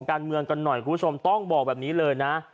การเมืองกันหน่อยคุณผู้ชมต้องบอกแบบนี้เลยนะ